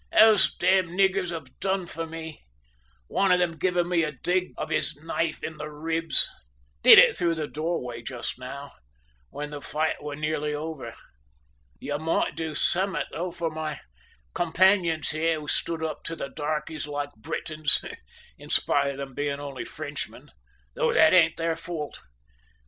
"Those damned niggers have done for me, one of them giving me a dig of his knife in the ribs did it through the doorway just now, when the fight were nearly over. You might do summat, though, for my companions here, who stood up to the darkies like Britons, in spite of them being only Frenchmen, though that ain't their fault.